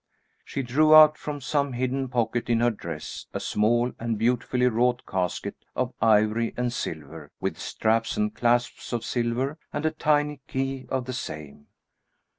She drew out from some hidden pocket in her dress a small and beautifully wrought casket of ivory and silver, with straps and clasps of silver, and a tiny key of the same.